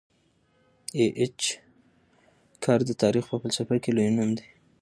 ای اېچ کار د تاریخ په فلسفه کي لوی نوم دی.